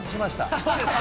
そうですね。